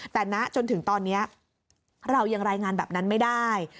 แต่ณจนถึงตอนนี้เรายังรายงานแบบนั้นไม่ได้